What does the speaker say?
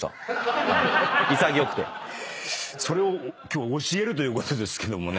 それを今日教えるということですけどもね。